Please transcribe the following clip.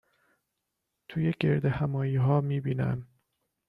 توی گردهمآیی ها میبینن